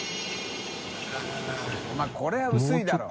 これは薄いだろ。